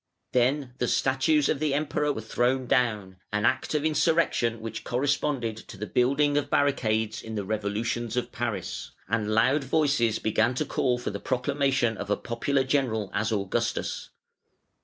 Then the statues of the Emperor were thrown down, an act of insurrection which corresponded to the building of barricades in the revolutions of Paris, and loud voices began to call for the proclamation of a popular general as Augustus.